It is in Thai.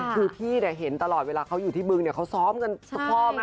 คือพี่เนี่ยเห็นตลอดเวลาเขาอยู่ที่บึงเนี่ยเขาซ้อมกันพร่อมพ่อลูกอย่างนี้เลย